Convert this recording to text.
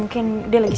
mungkin bisa dihubungin